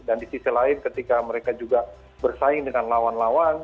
dan di sisi lain ketika mereka juga bersaing dengan lawan lawan